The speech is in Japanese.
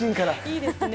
いいですね。